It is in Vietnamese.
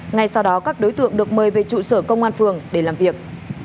ngay sau đó các đối tượng được mời về trụ sở công an phường để làm việc